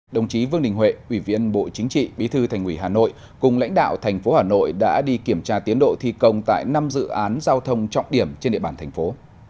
đồng chí vương đình huệ ủy viên bộ chính trị bí thư thành ủy hà nội cùng lãnh đạo thành phố hà nội đã đi kiểm tra tiến độ thi công tại năm dự án giao thông trọng điểm trên địa bàn thành phố